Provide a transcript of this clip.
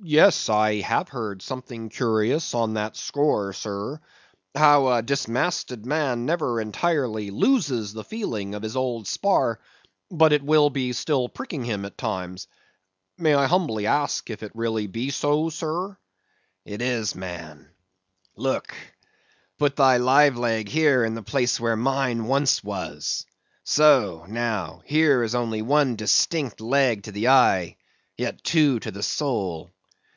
Yes, I have heard something curious on that score, sir; how that a dismasted man never entirely loses the feeling of his old spar, but it will be still pricking him at times. May I humbly ask if it be really so, sir? It is, man. Look, put thy live leg here in the place where mine once was; so, now, here is only one distinct leg to the eye, yet two to the soul.